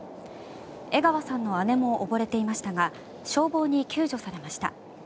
江川さんの姉も溺れていましたが消防に救助されました。